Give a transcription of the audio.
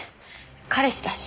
彼氏だし。